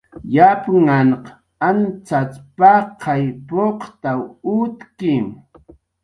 Yapnhanq ancxacx paqay puqtaw utki